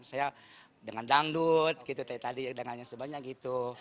saya dengan dangdut gitu tadi dengannya sebanyak gitu